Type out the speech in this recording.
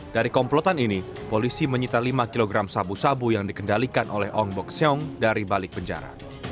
dari komplotan ini polisi menyita lima kg sabu sabu yang dikendalikan oleh ong bokseong dari balik penjara